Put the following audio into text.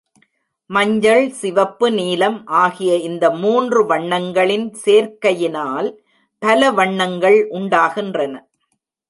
மஞ்சள், சிவப்பு, நீலம் ஆகிய இந்த மூன்று வண்ணங்களின் சேர்க்கையினால் பல வண்ணங்கள் உண்டாகின்றன.